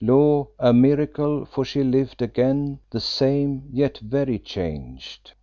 Lo! a miracle, for she lived again, the same, yet very changed.